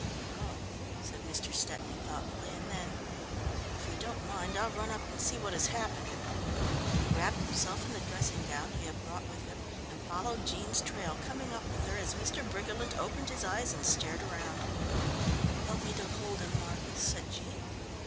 "Oh," said Mr. Stepney thoughtfully, and then: "If you don't mind, I'll run up and see what has happened." He wrapped himself in the dressing gown he had brought with him, and followed Jean's trail, coming up with her as Mr. Briggerland opened his eyes and stared round. "Help me to hold him, Marcus," said Jean.